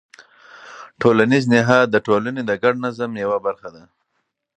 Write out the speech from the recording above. ټولنیز نهاد د ټولنې د ګډ نظم یوه برخه ده.